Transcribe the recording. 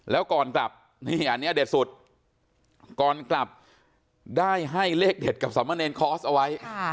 แล้วก่อนกลับนี่อันนี้เด็ดสุดก่อนกลับได้ให้เลขเด็ดกับสมเนรคอร์สเอาไว้